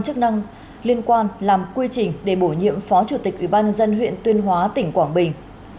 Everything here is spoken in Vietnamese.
chức năng liên quan làm quy trình để bổ nhiệm phó chủ tịch ubnd huyện tuyên hóa tỉnh quảng bình